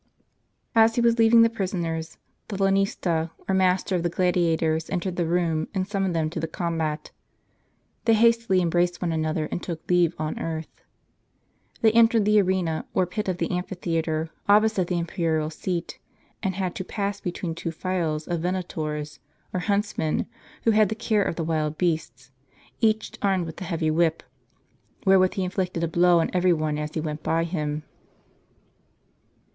As he was leaving the prisoners, the lanista, or master of the gladiators, entered the room and summoned them to the combat. They hastily embraced one another, and took leave on earth. They entered the arena, or pit of the ampitheatre, opposite the imperial seat, and had to pass between two files of venatores, or huntsmen, who had the care of the wild beasts, each armed with a heavy whip, wherewith he inflicted a blow on every one as he went by him.